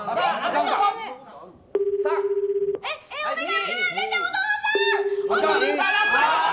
お願い！